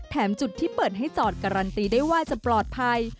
จุดที่เปิดให้จอดการันตีได้ว่าจะปลอดภัย